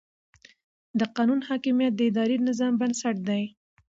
د قانون حاکمیت د اداري نظام بنسټ دی.